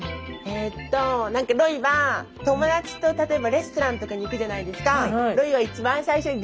えっとなんかロイは友達と例えばレストランとかに行くじゃないですか。